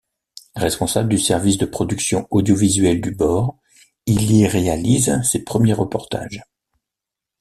Responsable du service de production audiovisuelle du bord, il y réalise ses premiers reportages.